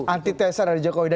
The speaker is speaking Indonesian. anti tesa dari jokowi